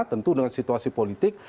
tentu dengan situasi politik